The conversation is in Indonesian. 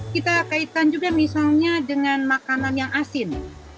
kita kaitkan juga misalnya dengan makanan yang asin